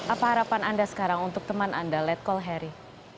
apa harapan anda sekarang untuk teman anda letkol harry